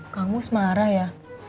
kang gus marah ya